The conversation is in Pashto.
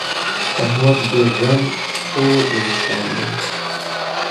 احمد ډېر ًران خور انسان دی.